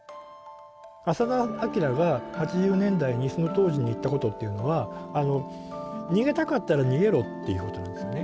浅田彰が８０年代にその当時に言ったことっていうのは「逃げたかったら逃げろ」っていうことなんですよね。